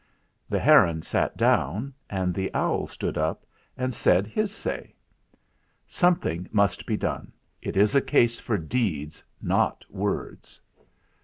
The heron sat down and the owl stood up and said his say : "Something must be done. It is a case for deeds, not words."